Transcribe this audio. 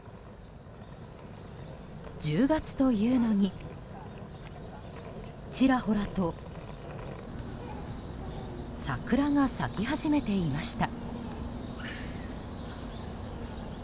１０月というのに、ちらほらと桜が咲き始めていました。